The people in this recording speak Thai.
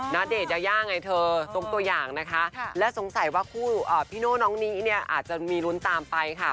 ณเดชนยายาไงเธอทรงตัวอย่างนะคะและสงสัยว่าคู่พี่โน่น้องนี้เนี่ยอาจจะมีลุ้นตามไปค่ะ